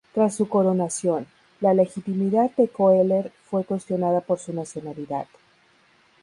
Tras su coronación, la legitimidad de Koehler fue cuestionada por su nacionalidad.